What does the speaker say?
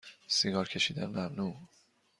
سیگار کشیدن ممنوع